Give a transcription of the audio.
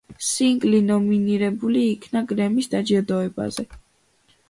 სინგლი ნომინირებული იქნა გრემის დაჯილდოებაზე.